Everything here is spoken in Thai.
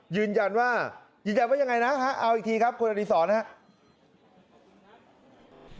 ยืนยันว่ายืนยันว่ายังไงนะเอาอีกทีครับคุณอดีศรนะครับ